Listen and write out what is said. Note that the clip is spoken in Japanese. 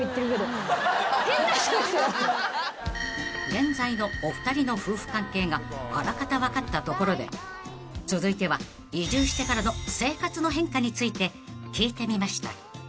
［現在のお二人の夫婦関係があらかた分かったところで続いては移住してからの生活の変化について聞いてみました］